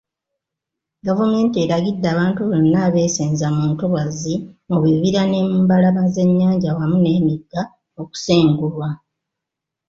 Gavumenti eragidde abantu bonna abeesenza mu ntobazi, mu bibira n'embalama z'ennyanja wamu n'emigga okusengulwa.